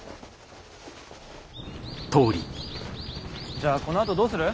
じゃあこのあとどうする？